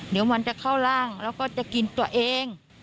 เดี๋ยวมันจะเข้าร่างแล้วก็จะกินตัวเอง